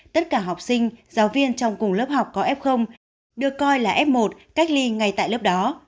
tất cả học sinh giáo viên trong cùng lớp học có f được coi là f một cách ly ngay tại lớp đó